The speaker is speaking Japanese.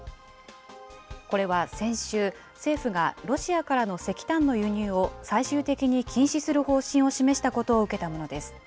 これは先週、政府がロシアからの石炭の輸入を最終的に禁止する方針を示したことを受けたものです。